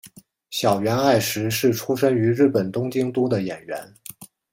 筱原爱实是出身于日本东京都的演员。